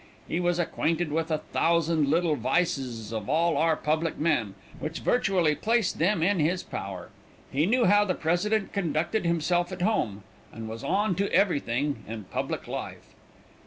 He was acquainted with a thousand little vices of all our public men, which virtually placed them in his power. He knew how the President conducted himself at home, and was 'on to everything' in public life.